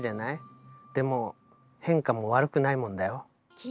でも変化も悪くないもんだよ。